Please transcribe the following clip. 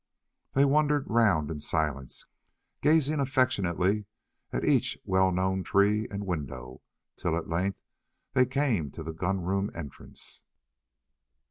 They wandered round it in silence, gazing affectionately at each well known tree and window, till at length they came to the gun room entrance.